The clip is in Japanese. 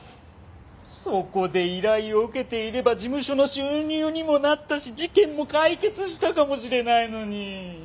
そこで依頼を受けていれば事務所の収入にもなったし事件も解決したかもしれないのに。